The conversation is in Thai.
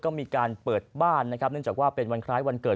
ก็มีการเปิดบ้านนะครับเนื่องจากว่าเป็นวันคล้ายวันเกิด